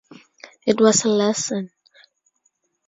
It was a lesson.